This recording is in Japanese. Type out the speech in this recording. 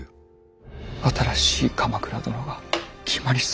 新しい鎌倉殿が決まりそうだ。